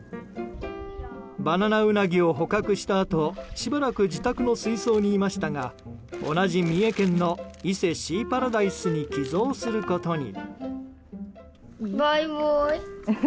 バナナウナギを捕獲したあとしばらく自宅の水槽にいましたが同じ三重県の伊勢シーパラダイスに寄贈することに。